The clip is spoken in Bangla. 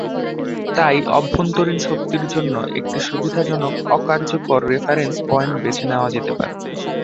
তাই, অভ্যন্তরীণ শক্তির জন্য একটি সুবিধাজনক অকার্যকর রেফারেন্স পয়েন্ট বেছে নেওয়া যেতে পারে।